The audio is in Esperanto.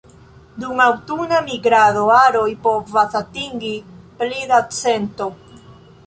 Dum aŭtuna migrado aroj povas atingi pli da cento.